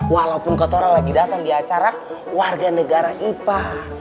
walaupun kotoran lagi datang di acara warga negara ipa